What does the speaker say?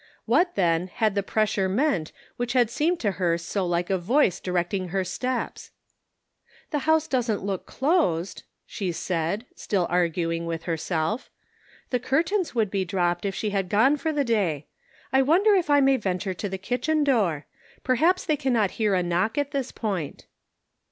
What, then, had the pressure meant which had seemed to her so like a voice directing her steps? " The house doesn't look closed," she said, still arguing with herself ; "the curtains would be dropped if she had gone for the day. I wonder if I may venture to the kitchen door? Perhaps they cannot hear a knock at this point."